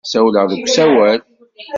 Ssawleɣ deg usawal.